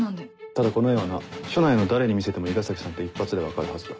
ただこの絵はな署内の誰に見せても伊賀崎さんって一発で分かるはずだ。